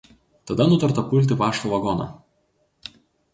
Tada nutarta pulti pašto vagoną.